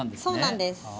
そうなんです。